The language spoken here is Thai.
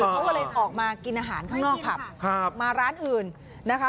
เขาก็เลยออกมากินอาหารข้างนอกผับมาร้านอื่นนะคะ